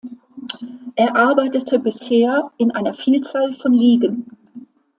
Er arbeitete bisher in einer Vielzahl von Ligen.